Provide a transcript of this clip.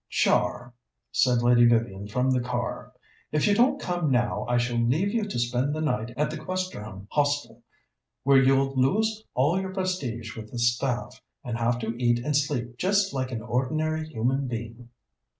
"Char," said Lady Vivian from the car, "if you don't come now I shall leave you to spend the night at the Questerham Hostel, where you'll lose all your prestige with the staff, and have to eat and sleep just like an ordinary human being."